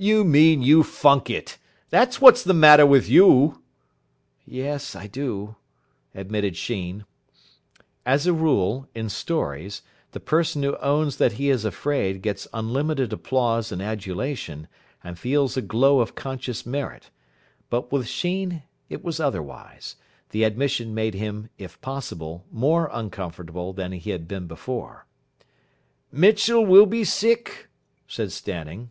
"You mean you funk it. That's what's the matter with you." "Yes, I do," admitted Sheen. As a rule in stories the person who owns that he is afraid gets unlimited applause and adulation, and feels a glow of conscious merit. But with Sheen it was otherwise. The admission made him if possible, more uncomfortable than he had been before. "Mitchell will be sick," said Stanning.